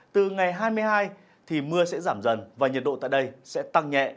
từ ngày hai mươi hai thì mưa sẽ giảm dần và nhiệt độ tại đây sẽ tăng nhẹ